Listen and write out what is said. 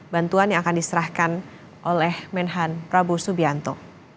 bantuan yang akan diserahkan oleh menhan prabowo subianto